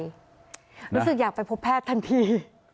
รู้สึกอยากไปพบแพทย์ทันที